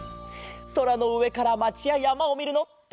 そらのうえからまちややまをみるのたのしみだな。